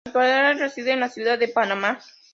En la actualidad reside en la ciudad de Panamá.